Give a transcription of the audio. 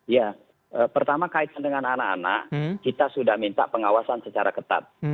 ya pertama kaitan dengan anak anak kita sudah minta pengawasan secara ketat